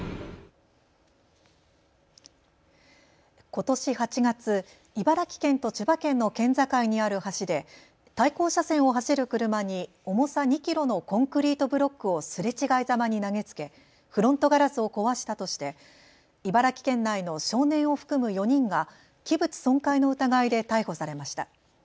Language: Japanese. ことし８月、茨城県と千葉県の県境にある橋で対向車線を走る車に重さ２キロのコンクリートブロックをすれ違いざまに投げつけフロントガラスを壊したとして茨城県内の少年を含む４人が器物損壊の疑いで逮捕されました。